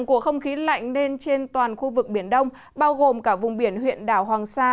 úng khí lạnh lên trên toàn khu vực biển đông bao gồm cả vùng biển huyện đảo hoàng sa